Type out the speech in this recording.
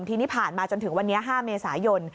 ทีนี้ผ่านมาจนถึงวันนี้๕เมษายน